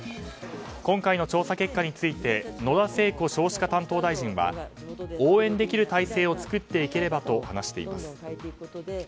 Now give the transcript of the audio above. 今回の調査結果について野田聖子少子化担当大臣は応援できる体制を作っていければと話しています。